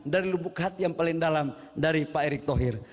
dari lubuk hati yang paling dalam dari pak erick thohir